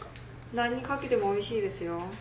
何にかけてもおいしいですよ。